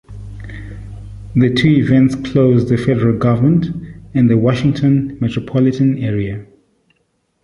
The two events closed the federal government in the Washington Metropolitan Area.